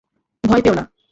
ভয় পেও না।